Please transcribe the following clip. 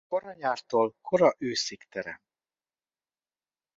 Kora nyártól kora őszig terem.